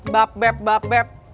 bap beb bap beb